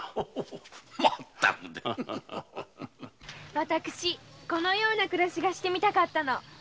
私このような暮らしがしてみたかったの。